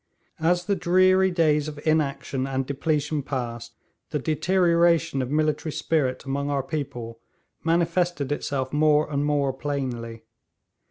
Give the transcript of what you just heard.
As the dreary days of inaction and depletion passed, the deterioration of military spirit among our people manifested itself more and more plainly.